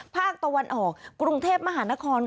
ภาคตะวันออกกรุงเทพมหานคร